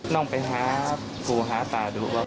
น้องไปหาภูหาตาดู